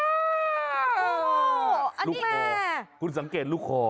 อันนี้ลูกคอคุณสังเกตลูกคอ